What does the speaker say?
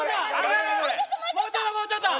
もうちょっともうちょっと！